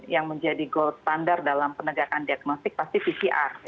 yang menjadi gold standard dalam penegakan diagnostik pasti pcr